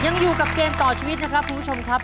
ยังอยู่กับเกมต่อชีวิตนะครับคุณผู้ชมครับ